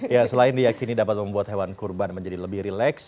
ya selain diakini dapat membuat hewan kurban menjadi lebih rileks